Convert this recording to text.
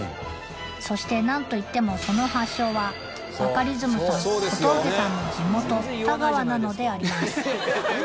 そして何といってもその発祥はバカリズムさん小峠さんの地元田川なのであります